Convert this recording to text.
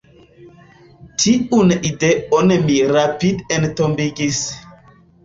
Tiun ideon mi rapide entombigis.